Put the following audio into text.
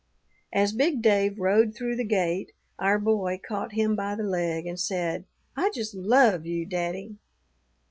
"As big Dave rode through the gate, our boy caught him by the leg and said, 'I just love you, daddy.'